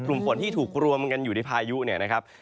กลุ่มฝนที่ถูกรวมอยู่ในพายุเนี่ยนะครับ